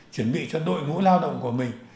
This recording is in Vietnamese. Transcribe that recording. chuẩn bị cho đội ngũ lao động của mình